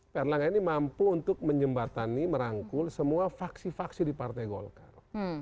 pak erlangga ini mampu untuk menyembatani merangkul semua faksi faksi di partai golkar